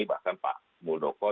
bahkan pak buldoko